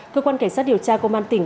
cơ quan cảnh sát điều tra công an tỉnh